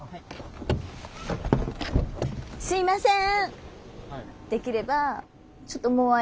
すいません。